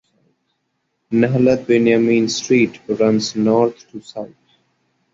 Nahalat Binyamin Street runs north to south.